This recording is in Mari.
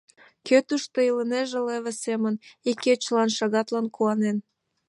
Кӧ тушто илынеже лыве семын, Ик кечылан, шагатлан куанен?